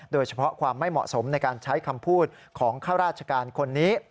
โดยเฉพาะความไม่เหมาะสมในการใช้คำพูดของข้าราชการคนนี้